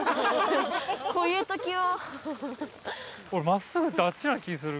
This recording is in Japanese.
こういうときは。